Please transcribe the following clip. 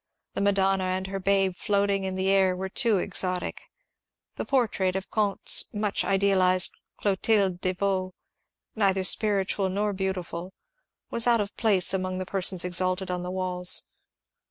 The Madonna and her babe floating in the air were too exotic ; the portrait of Comte's much idealized Clothilde de Vaux — neither spiritual nor beautiful — was out of place among the persons exalted on the walls.